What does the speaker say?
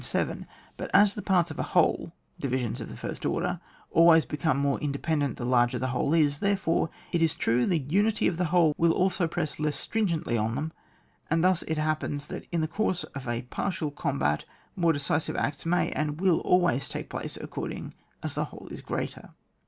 But as the parts of a whole (divi sions of the first order) always become more independent the larger the whole is, therefore it is true the unity of the whole will also press less stringently on them, and thus it happens that in the course of a partial combat more decisive acts may and will always take place ac cording as the whole is greater.